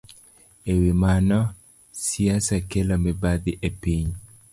E wi mano, siasa kelo mibadhi e piny.